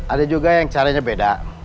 ada juga yang caranya beda